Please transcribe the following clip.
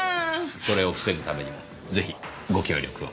それを防ぐためにもぜひご協力を。